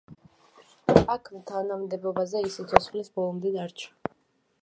ამ თანამდებობაზე ის სიცოცხლის ბოლომდე დარჩა.